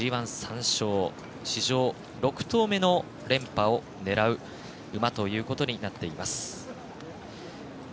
史上６頭目の連覇を狙う馬ということになっています。